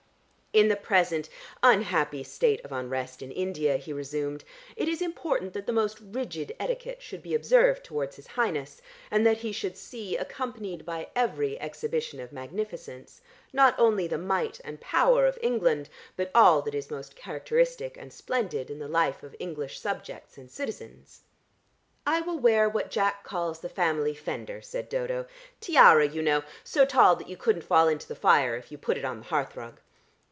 "In the present unhappy state of unrest in India," he resumed, "it is important that the most rigid etiquette should be observed towards his Highness, and that he should see, accompanied by every exhibition of magnificence, not only the might and power of England, but all that is most characteristic and splendid in the life of English subjects and citizens." "I will wear what Jack calls the family fender," said Dodo. "Tiara, you know, so tall that you couldn't fall into the fire if you put it on the hearthrug."